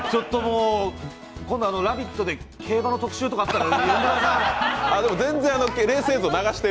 今度、「ラヴィット！」で競馬の特集とかあったら呼んでください。